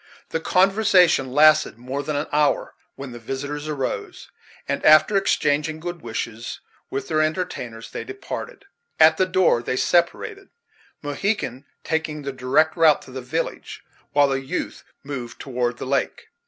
The conversation lasted for more than an hour, when the visitors arose, and, after exchanging good wishes with their entertainers, they departed. At the door they separated, Mohegan taking the direct route to the village, while the youth moved toward the lake.